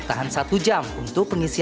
sekarang kita bisa meletakkan penyelesaian